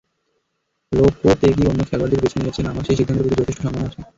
লোপেতেগি অন্য খেলোয়াড়দের বেছে নিয়েছেন, আমার সেই সিদ্ধান্তের প্রতি যথেষ্ট সম্মানও আছে।